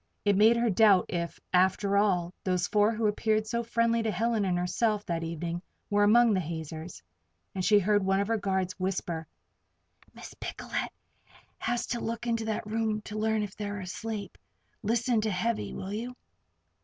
It made her doubt if, after all, those four who had appeared so friendly to Helen and herself that evening, were among the hazers; and she heard one of her guards whisper: "Miss Picolet never has to look into that room to learn if they're asleep. Listen to Heavy, will you?"